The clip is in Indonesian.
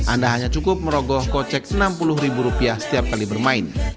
anda hanya cukup merogoh kocek rp enam puluh ribu rupiah setiap kali bermain